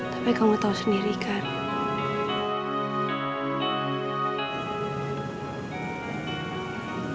tapi kamu tau sendiri kan